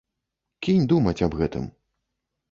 Кінь думаць аб гэтым.